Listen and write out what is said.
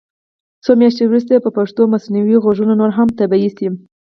څو میاشتې وروسته به پښتو مصنوعي غږونه نور هم طبعي شي.